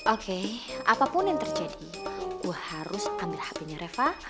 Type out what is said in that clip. oke apapun yang terjadi gue harus ambil hpnya reva